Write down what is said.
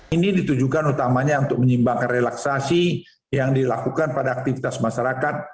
ini ditujukan utamanya untuk menyimbangkan relaksasi yang dilakukan pada aktivitas masyarakat